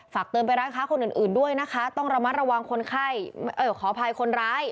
เติมไปร้านค้าคนอื่นด้วยนะคะต้องระมัดระวังคนไข้ขออภัยคนร้าย